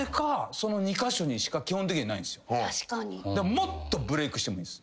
もっとブレークしてもいいんです。